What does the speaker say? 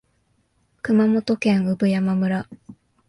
熊本県産山村